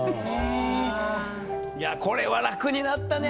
これは楽になったね